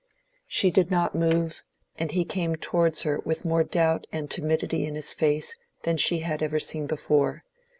She did not move, and he came towards her with more doubt and timidity in his face than she had ever seen before.